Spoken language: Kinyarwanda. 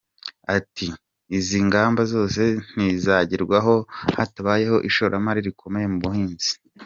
Ati “Izi ngamba zose ntizagerwaho hatabayeho ishoramari rikomeye mu buhinzi.